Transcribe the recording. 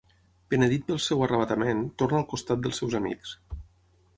Penedit pel seu arravatament, torna al costat dels seus amics.